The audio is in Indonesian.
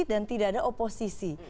dan tidak ada oposisi